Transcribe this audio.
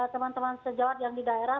teman teman sejawat yang di daerah